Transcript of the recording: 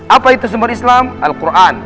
apa itu sumber islam al quran